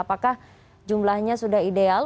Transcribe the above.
apakah jumlahnya sudah ideal